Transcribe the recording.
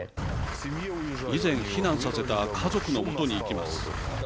以前、避難させた家族のもとに行きます。